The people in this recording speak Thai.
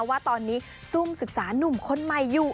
ว่าตอนนี้ซุ่มศึกษานุ่มคนใหม่อยู่